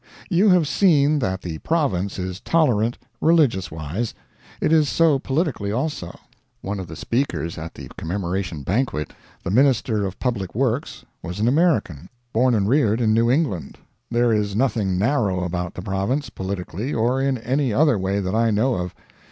You have seen that the Province is tolerant, religious wise. It is so politically, also. One of the speakers at the Commemoration banquet the Minister of Public Works was an American, born and reared in New England. There is nothing narrow about the Province, politically, or in any other way that I know of.